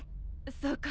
そうか。